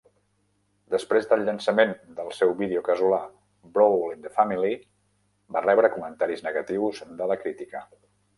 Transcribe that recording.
Després del llançament del seu vídeo casolà, "Brawl in the Family" va rebre comentaris negatius de la crítica.